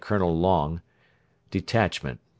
COL. LONG Detachment, No.